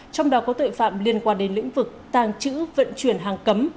trong đó có tội phạm liên quan đến lĩnh vực tàng trữ vận chuyển hàng cấm